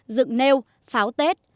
dựng nêu pháo tết